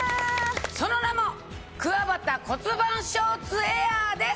その名も「くわばた骨盤ショーツエアー」です。